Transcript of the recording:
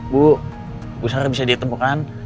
bu bu sarah bisa ditemukan